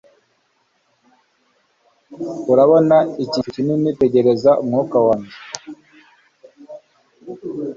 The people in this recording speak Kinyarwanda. Urabona iki gicu kinini Tegereza umwuka wanjye